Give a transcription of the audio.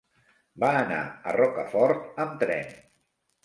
Va anar a Rocafort amb tren.